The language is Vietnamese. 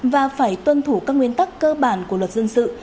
và phải tuân thủ các nguyên tắc cơ bản của luật dân sự